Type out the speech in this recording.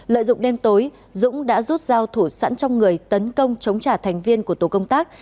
lợi dụng đêm tối dũng đã rút dao thủ sẵn trong người tấn công chống trả thành viên của tổ công tác